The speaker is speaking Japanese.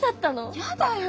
やだよ。